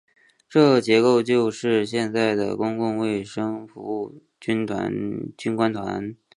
这机构就是现在的公共卫生服务军官团。